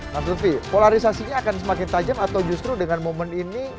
mas lutfi polarisasinya akan semakin tajam atau justru dengan momen ini